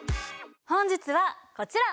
本日はこちら！